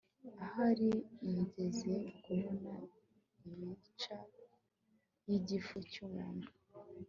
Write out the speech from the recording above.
Ahari mwigeze kubona ipica yigifu cyumuntu